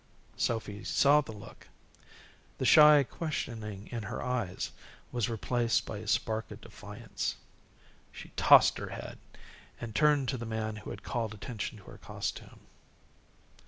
Sophy saw the look. The shy questioning in her eyes was replaced by a spark of defiance. She tossed her head, and turned to the man who had called attention to her costume.